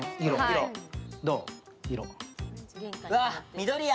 緑や。